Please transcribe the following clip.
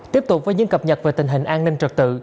tiếp tục với những cập nhật về tình hình an ninh trật tự